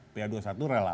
saya punya bukti itu